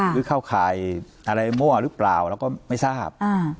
หรือเข้าข่ายอะไรมั่วหรือเปล่าเราก็ไม่ทราบ